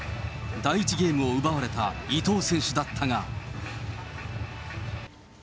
第１ゲームを奪われた伊藤選手だったが。